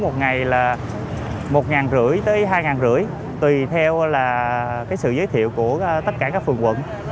một ngày là một năm trăm linh hai năm trăm linh tùy theo là cái sự giới thiệu của tất cả các phường quận